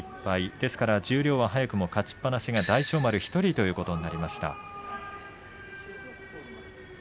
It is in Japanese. ですから十両は早くも勝ちっぱなしは大翔丸１人ということになりました。